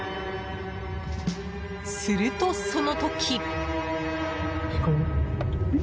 すると、その時。